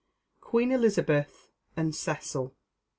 QUEEN ELIZABETH AND CECIL.